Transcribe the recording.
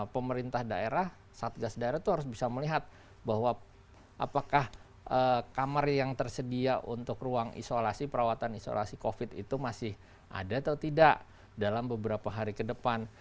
pemerintah daerah satgas daerah itu harus bisa melihat bahwa apakah kamar yang tersedia untuk ruang isolasi perawatan isolasi covid itu masih ada atau tidak dalam beberapa hari ke depan